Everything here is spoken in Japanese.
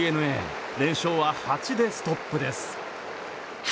連勝は８でストップです。